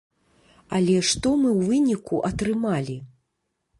Але што мы ў выніку атрымалі?